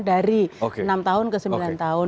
dari enam tahun ke sembilan tahun